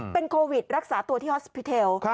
เป็นโควิดรักษาตัวที่ฮอสพิเทล